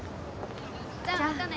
じゃあまたね。